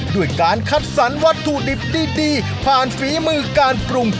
ด้วยการคัดสรรวัตถุดิบดีผ่านฝีมือการปรุง